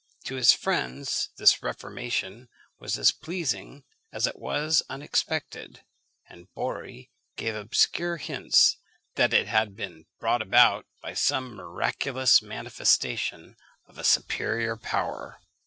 To his friends this reformation was as pleasing as it was unexpected; and Borri gave obscure hints that it had been brought about by some miraculous manifestation of a superior power.